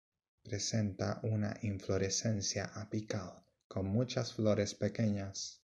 Presenta una inflorescencia apical, con muchas flores pequeñas.